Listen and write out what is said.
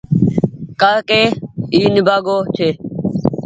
ڪآ ڪي اي نيبآگو ڇي